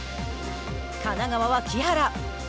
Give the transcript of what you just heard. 神奈川は木原。